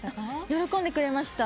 喜んでくれました。